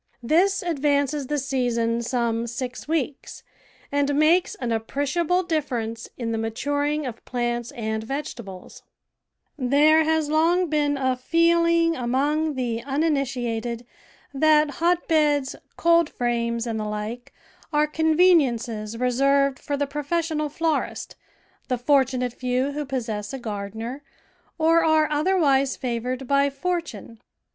This ad vances the season some six weeks, and makes an appreciable diiference in the maturing of plants and vegetables. THE VEGETABLE GARDEN There has long been a feeling among the uniniti ated that hotbeds, coldframes, and the like are con veniences reserved for the professional florist, the fortunate few who possess a gardener, or are other wise favoured by fortune.